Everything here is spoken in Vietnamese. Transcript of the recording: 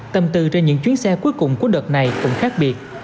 tâm tư trên những chuyến xe cuối cùng của đợt này cũng khác biệt